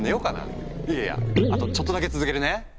いやいやあとちょっとだけ続けるね。